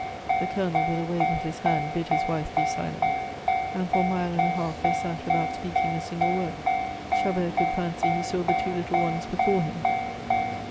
The Colonel with a wave of his hand bid his wife be silent, and for a mile and a half they sat without speaking a single word. Chabert could fancy he saw the two little ones before him.